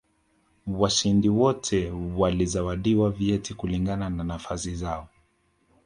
washindi wote walizawadiwa vyeti kulingana na nafasi zao